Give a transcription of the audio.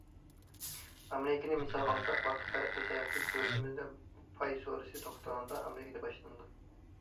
ئامېرىكىنى مىسالغا ئالساق، ۋاقىت پەرقى سەۋەبلىك دۆلىتىمىزدە پاي سودىسى توختىغاندا، ئامېرىكىدا باشلىنىدۇ.